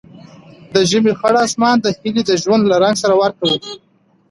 د ژمي خړ اسمان د هیلې د ژوند له رنګ سره ورته و.